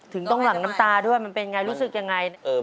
ถึงต้องหลั่งน้ำตาด้วยมันเป็นไงรู้สึกยังไง